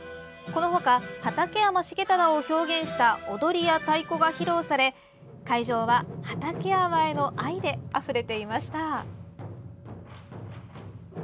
この他、畠山重忠を表現した踊りや太鼓が披露され会場は畠山への愛であふれていました。